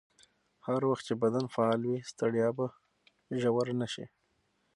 هر وخت چې بدن فعال وي، ستړیا به ژوره نه شي.